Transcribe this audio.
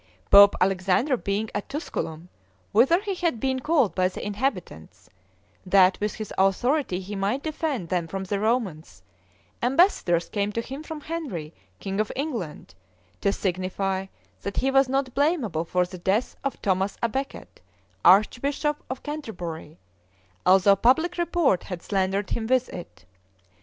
Pope Alexander being at Tusculum, whither he had been called by the inhabitants, that with his authority he might defend them from the Romans, ambassadors came to him from Henry, king of England, to signify that he was not blamable for the death of Thomas à Becket, archbishop of Canterbury, although public report had slandered him with it.